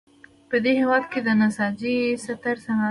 په دې هېواد کې د نساجۍ ستر صنعت راټوکېدلی و.